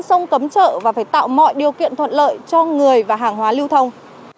sông cấm chợ và phải tạo mọi điều kiện thuận lợi cho người và hàng hóa lưu thông